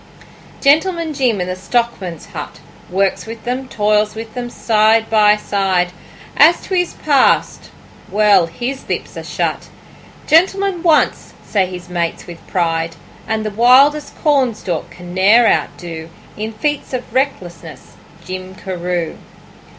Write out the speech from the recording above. Gentleman Jim in the stockmen's hut Works with them, toils with them, side by side; As to his past well, his lips are shut. 'Gentleman once,' say his mates with pride; And the wildest Cornstalk can ne'er outdo In feats of recklessness, Jim Carew.